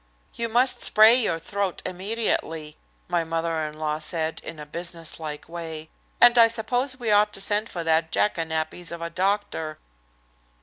"You must spray your throat immediately," my mother in law said in a businesslike way, "and I suppose we ought to send for that jackanapes of a doctor."